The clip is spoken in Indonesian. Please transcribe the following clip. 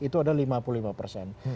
itu ada lima puluh lima persen